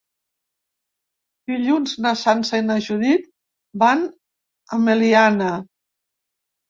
Dilluns na Sança i na Judit van a Meliana.